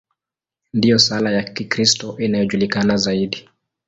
Ndiyo sala ya Kikristo inayojulikana zaidi.